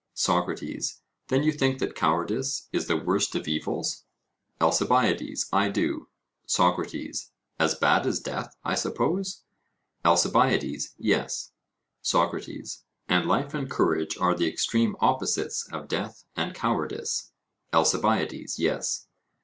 SOCRATES: Then you think that cowardice is the worst of evils? ALCIBIADES: I do. SOCRATES: As bad as death, I suppose? ALCIBIADES: Yes. SOCRATES: And life and courage are the extreme opposites of death and cowardice? ALCIBIADES: Yes.